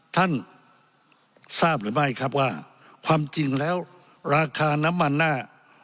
ท่านทราบหรือไม่ครับว่าความจริงแล้วราคาน้ำมันหน้า